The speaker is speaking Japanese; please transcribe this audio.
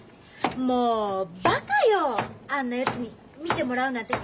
もうバカよあんなやつに診てもらうなんてさ。